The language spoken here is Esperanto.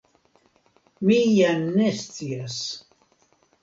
Mi ja ne scias.